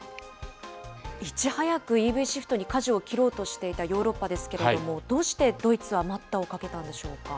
いち早くＥＶシフトにかじを切ろうとしていたヨーロッパですけれども、どうしてドイツは待ったをかけたんでしょうか。